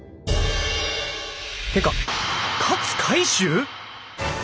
てか勝海舟！？